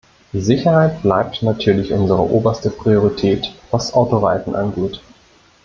Sicherheit bleibt natürlich unsere oberste Priorität was Autoreifen angeht.